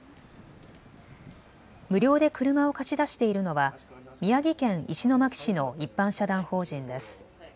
無料で車を貸し出しているのは宮城県石巻市の一般社団法人です。